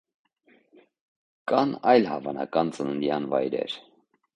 Կան այլ հավանական ծննդյան վայրեր։